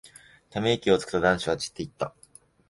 ため息をつくと、男子たちは散っていった。